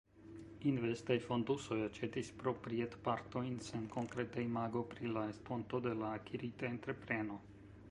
Investaj fondusoj aĉetis proprietpartojn sen konkreta imago pri la estonto de la akirita entrepreno.